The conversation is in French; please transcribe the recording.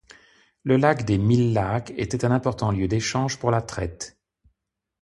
Le lac des Mille Lacs était un important lieu d'échange pour la traite.